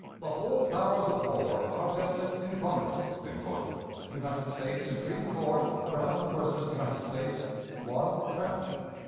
"The whole powers of war are vested in Congress." ("United States Supreme Court, Brown vs. United States," 1 Cranch.)